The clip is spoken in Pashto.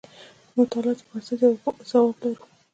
د مطالعاتو پر بنسټ یو ځواب لرو.